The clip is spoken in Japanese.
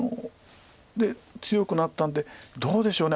強くなったんでどうでしょう。